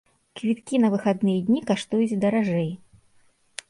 Квіткі на выхадныя дні каштуюць даражэй.